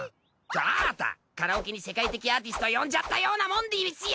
あたカラオケに世界的アーティストを呼んじゃったようなもんでうぃすよ！？